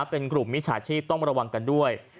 เป็นกลุ่มมิจฉาชีพต้องระวังกันด้วย